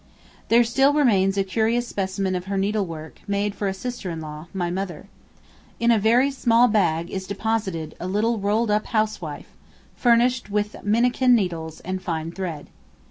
There still remains a curious specimen of her needlework made for a sister in law, my mother. In a very small bag is deposited a little rolled up housewife, furnished with minikin needles and fine thread.